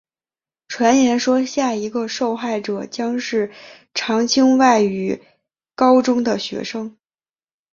传言说下一个受害者将是常青外语高中的学生。